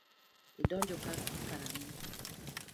Idonjo ka karang'o.